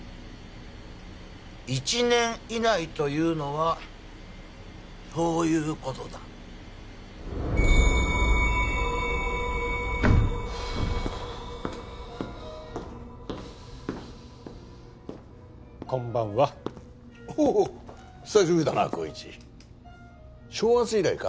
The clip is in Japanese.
１年以内というのはそういうことだふうこんばんはおお久しぶりだな紘一正月以来か？